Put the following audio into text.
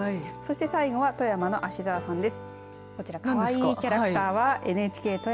最後は富山の芦沢さんです。